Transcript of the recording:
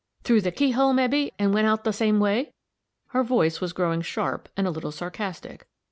Through the keyhole, mebbe, and went out the same way!" Her voice was growing sharp and a little sarcastic.